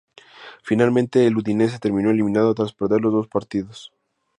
Finalmente, el Udinese terminó eliminado tras perder los dos partidos.